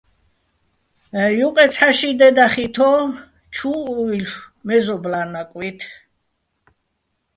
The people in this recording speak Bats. ჲუყე ცჰ̦ა-ში დე დახითო́, ჩუაჸ ვუჲლ'ო̆ მეზობლა́ ნაკვი́თ.